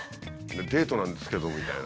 デートなんですけどみたいな。